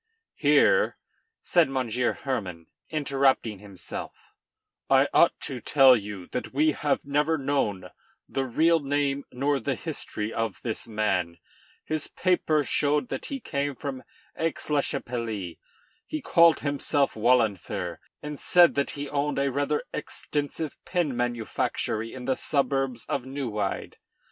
["Here," said Monsieur Hermann, interrupting himself, "I ought to tell you that we have never known the real name nor the history of this man; his papers showed that he came from Aix la Chapelle; he called himself Wahlenfer and said that he owned a rather extensive pin manufactory in the suburbs of Neuwied.